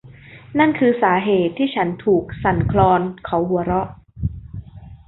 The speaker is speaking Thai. นั่นคือสาเหตุที่ฉันถูกสั่นคลอนเขาหัวเราะ